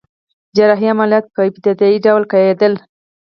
جراحي عملیات په ابتدایی ډول کیدل